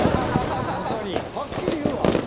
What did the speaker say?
はっきり言うわ！